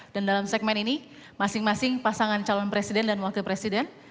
dan dalam segmen ini masing masing pasangan calon presiden dan wakil presiden